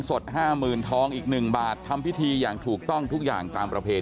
สด๕๐๐๐ทองอีก๑บาททำพิธีอย่างถูกต้องทุกอย่างตามประเพณ